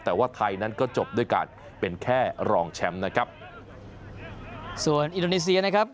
แต่ว่าไทยนั้นก็จบด้วยการเป็นแค่รองแชมป์นะครับส่วนอินโดนีเซียนะครับ